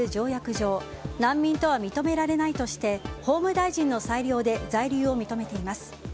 上難民とは認められないとして法務大臣の裁量で在留を認めています。